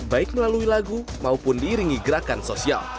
baik melalui lagu maupun diiringi gerakan sosial